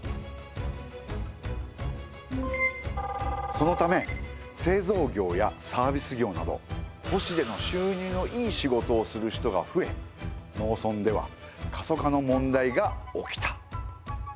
そのため製造業やサービス業など都市での収入のいい仕事をする人が増え農村では過疎化の問題が起きた。